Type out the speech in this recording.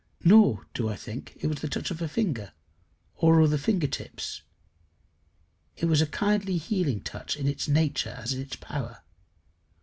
Nor do I think it was the touch of a finger, or of the finger tips. It was a kindly healing touch in its nature as in its power.